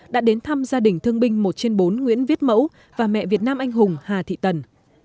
đã đến thăm gia đình thương binh một trên bốn nguyễn viết mẫu và mẹ việt nam anh hùng hà thị tần